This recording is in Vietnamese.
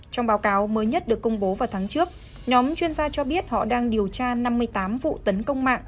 trong báo cáo mới nhất được công bố vào tháng trước nhóm chuyên gia cho biết họ đang điều tra năm mươi tám vụ tấn công mạng